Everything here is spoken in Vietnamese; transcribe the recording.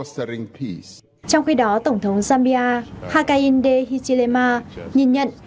trong khi đó tổng thống zambia hakaide hichilema nhìn nhận